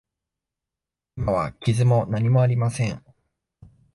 今は傷も何もありません。